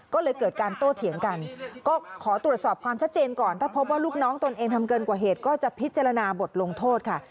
ก็เลยเกิดการโต้เถียงกันก็ขอตรวจสอบความชัดเจนก่อนถ้าพบว่าลูกน้องตนเองทำเกินกว่าเหตุก็จะพิจารณาบทลงโทษค่ะ